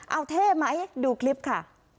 เอาเท่ไหมดูคลิปค่ะ